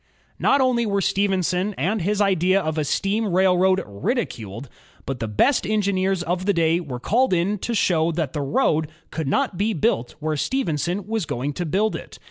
Not only were Stephenson and his idea of a steam railroad ridiculed, but the best engineers of the day were called in to show that the road could not be built where Stephenson was going to build it.